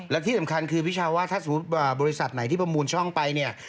และที่สำคัญคือพี่ชาวว่าถ้าสมมุติบริษัทไหนที่ประมูลช่องไปเนี่ย